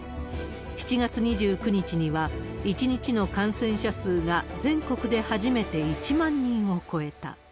７月２９日には、１日の感染者数が全国で初めて１万人を超えた。